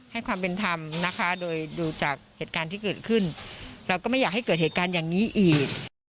ความเป็นธรรมนะคะโดยดูจากเหตุการณ์ที่เกิดขึ้นเราก็ไม่อยากให้เกิดเหตุการณ์อย่างนี้อีก